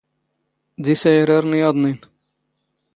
ⴷ ⵉⵙⴰⵢⵔⴰⵔⵏ ⵢⴰⴹⵏⵉⵏ.